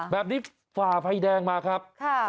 แบบนี้ฝ่าไฟแดงมาครับ